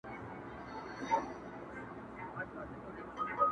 په قېمت د سر یې ختمه دا سودا سوه,